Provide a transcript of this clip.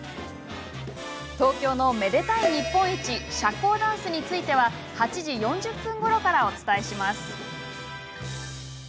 東京の、めでたい日本一社交ダンスについては８時４０分ごろからお伝えします。